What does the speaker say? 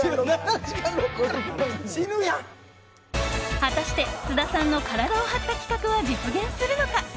果たして、津田さんの体を張った企画は実現するのか。